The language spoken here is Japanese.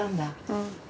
うん。